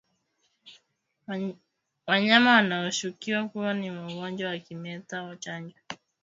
Wanyama wanaoshukiwa kuwa na ugonjwa wa kimeta wachanjwe